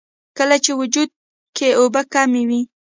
کله چې وجود کښې اوبۀ کمې وي